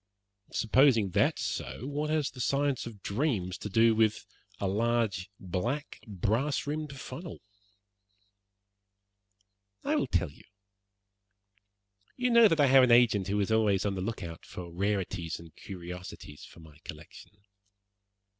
"Supposing that is so, what has the science of dreams to do with a large, black, brass rimmed funnel?" "I will tell you. You know that I have an agent who is always on the look out for rarities and curiosities for my collection.